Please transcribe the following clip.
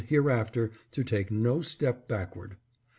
hereafter to take no step backward.